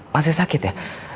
masih sakit ya